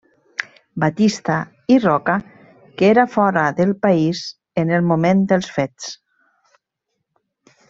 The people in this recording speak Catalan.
Batista i Roca que era fora del país en el moment dels fets.